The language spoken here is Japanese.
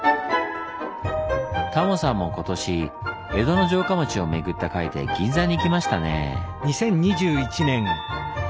タモさんも今年江戸の城下町を巡った回で銀座に行きましたねぇ。